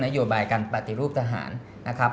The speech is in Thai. โยบายการปฏิรูปทหารนะครับ